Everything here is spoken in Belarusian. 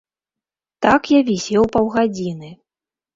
Так я вісеў паўгадзіны.